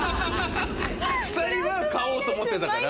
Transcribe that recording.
２人は買おうと思ってたから。